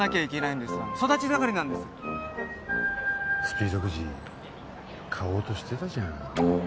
スピードくじ買おうとしてたじゃん。